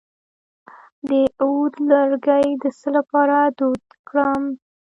د عود لرګی د څه لپاره دود کړم؟